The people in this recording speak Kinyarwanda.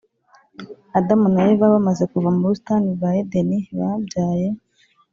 Adamu na Eva bamaze kuva mu busitani bwa Edeni babyaye